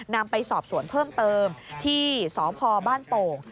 นำไปสอบสวนเพิ่มเติมที่สพบ้านโป่ง